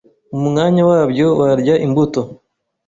Mu mwanya wabyo warya imbuto,